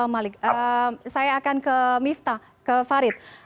malik saya akan ke miftah ke farid